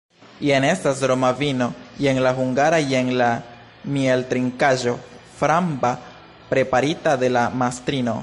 Jen estas roma vino, jen la hungara, jen mieltrinkaĵo framba, preparita de la mastrino!